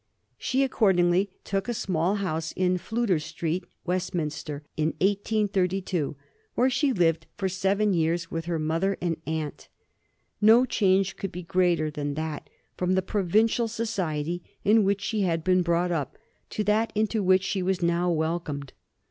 She accordingly took a small house in Fludyer Street, Westminster, in 1832, where she lived for seven years with her mother and aunt. No change could be greater than that from the provincial society in which she had been brought up, to that into which she was now welcomed.